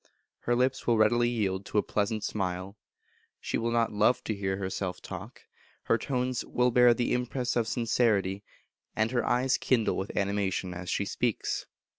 Her lips will readily yield to a pleasant smile; she will not love to hear herself talk; her tones will bear the impress of sincerity, and her eyes kindle with animation as she speaks.